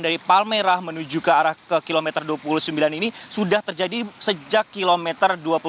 dari palmerah menuju ke arah ke kilometer dua puluh sembilan ini sudah terjadi sejak kilometer dua puluh tujuh